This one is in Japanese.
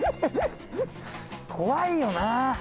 怖いよな。